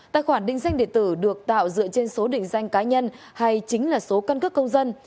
tài khoản định danh điện tử được tạo dựa trên số định danh cá nhân hay chính là số căn cước công dân